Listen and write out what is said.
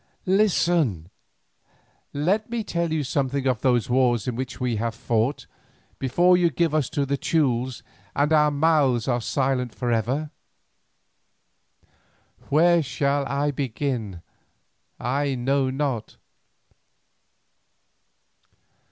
Listen: let me tell you something of those wars in which we have fought before you give us to the Teules and our mouths are silent for ever. Where shall I begin? I know not.